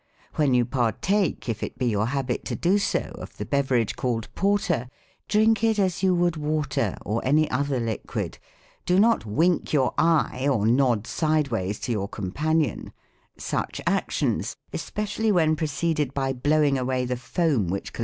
When you partake, if it be your habit to do so, of the beverage called porter, drink it as you would wa ter, or any other liquid. Do not wink your eye, or nod sideways to your companion ; such actions, especially when preceded by blowing away the foam which col YOU^G STUDENTS.